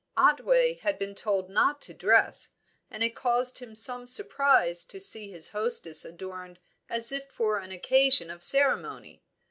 Otway had been told not to dress, and it caused him some surprise to see his hostess adorned as if for an occasion of ceremony.